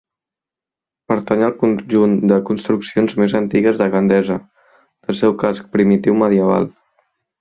Pertany al conjunt de construccions més antigues de Gandesa, del seu casc primitiu medieval.